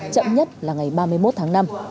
chậm nhất là ngày ba mươi một tháng năm